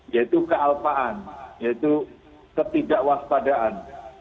yaitu kealpaan yaitu ketidakwaspadaan